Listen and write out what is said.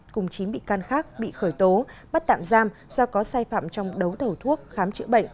cùng chín bị can khác bị khởi tố bắt tạm giam do có sai phạm trong đấu thầu thuốc khám chữa bệnh